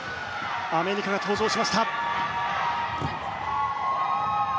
アメリカが登場しました。